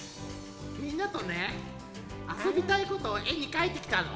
みんなとねあそびたいことをえにかいてきたの。